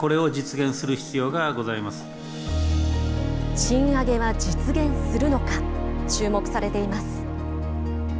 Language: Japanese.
賃上げは実現するのか、注目されています。